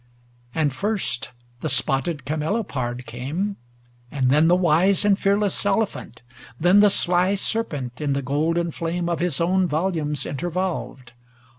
VI And first the spotted camelopard came. And then the wise and fearless elephant; Then the sly serpent, in the golden flame 274 THE WITCH OF ATLAS Of his own volumes inter vol ved.